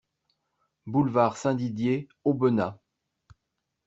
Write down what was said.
Boulevard Saint-Didier, Aubenas